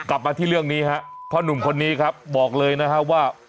กลับมาที่เรื่องนี้ฮะพ่อหนุ่มคนนี้ครับบอกเลยนะฮะว่า